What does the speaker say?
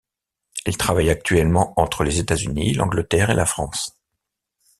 Elle travaille actuellement entre les États-Unis, l'Angleterre et la France.